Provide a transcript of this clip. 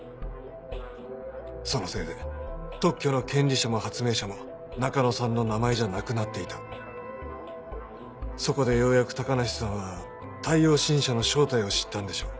そのせいで特許の権利者も発明者も中野さんの名前じゃなくなっていたそこでようやく高梨さんは太陽新社の正体を知ったんでしょう